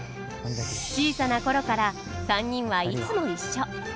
小さな頃から３人はいつも一緒。